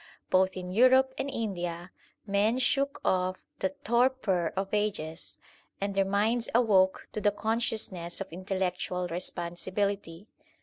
Both in Europe and India men shook off the torpor of ages, and their minds awoke to the consciousness of intellectual responsibility.